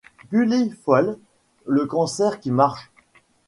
Gully Foyle, le cancer qui marche.